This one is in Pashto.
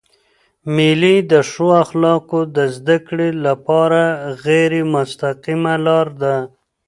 مېلې د ښو اخلاقو د زدهکړي له پاره غیري مستقیمه لار ده.